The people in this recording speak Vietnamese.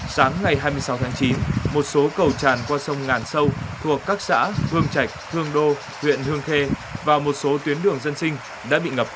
sáng ngày hai mươi sáu tháng chín một số cầu tràn qua sông ngàn sâu thuộc các xã hương trạch hương đô huyện hương khê và một số tuyến đường dân sinh đã bị ngập